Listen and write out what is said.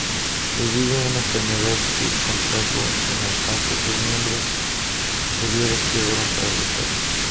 Debido a una enfermedad que contrajo en la infancia sus miembros inferiores quedaron paralizados.